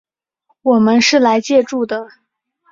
我们是来借住的